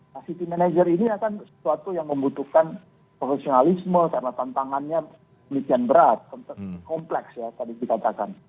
nah city manager ini akan sesuatu yang membutuhkan profesionalisme karena tantangannya milik yang berat kompleks ya tadi kita katakan